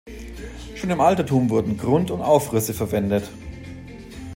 Schon im Altertum wurden "Grund- und Aufrisse" verwendet.